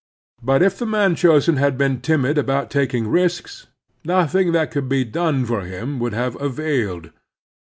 But if the man chosen had been timid about taking risks, nothing that could be done for him would have availed.